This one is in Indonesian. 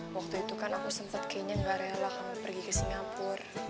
waktu itu kan aku sempet kayaknya gak rela pergi ke singapur